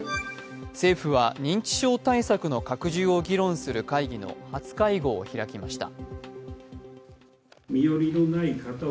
政府は認知症対策の拡充を議論する会議の初会合を開きました。